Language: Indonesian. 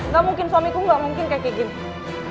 gak mungkin suamiku gak mungkin kayak gini